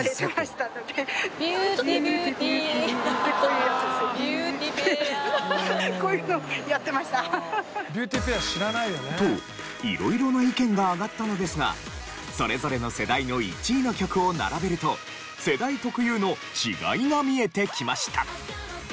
こういうやつですよ。と色々な意見が挙がったのですがそれぞれの世代の１位の曲を並べると世代特有の違いが見えてきました。